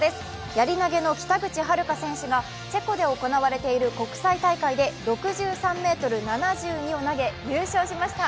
やり投げの北口榛花選手がチェコで行われている国際大会で６３ｍ７２を投げ優勝しました。